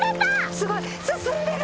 すごい！進んでる！